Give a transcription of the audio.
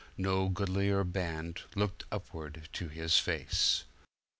No goodlier band Looked upward to His face.